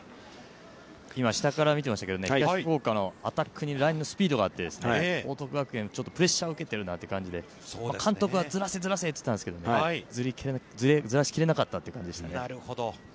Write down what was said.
◆今、下から見ていましたけれども、東福岡のアタックにラインのスピードがあって、報徳学園、ちょっとプレッシャーを受けているなという感じで、監督は、ずらせ、ずらせと言ったんですけど、ずらしきれなかったという感じでしたね。